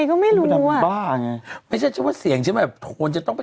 ก็ไม่ได้ยินเสียงอีกเลย